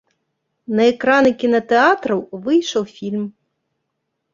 На экраны кінатэатраў выйшаў фільм.